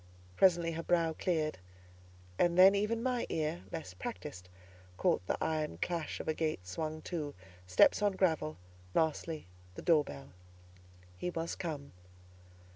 Presently her brow cleared; and then even my ear, less practised, caught the iron clash of a gate swung to, steps on gravel, lastly the door bell. He was come.